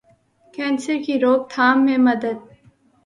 کینسرکی روک تھام میں مدد